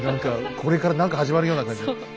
これから何か始まるような感じ。